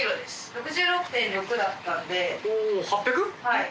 はい。